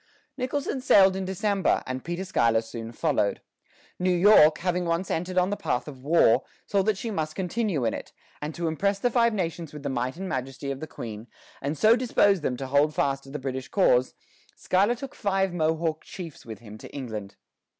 " Nicholson sailed in December, and Peter Schuyler soon followed. New York, having once entered on the path of war, saw that she must continue in it; and to impress the Five Nations with the might and majesty of the Queen, and so dispose them to hold fast to the British cause, Schuyler took five Mohawk chiefs with him to England.